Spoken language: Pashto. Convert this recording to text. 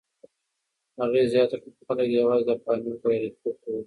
هغې زیاته کړه، خلک یوازې د فاینل بریالیتوب ګوري.